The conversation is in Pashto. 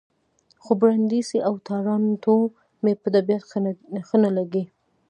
خو برېنډېسي او تارانتو مې په طبیعت ښه نه لګي.